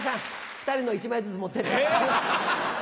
２人のを１枚ずつ持ってって。え！ハハハ！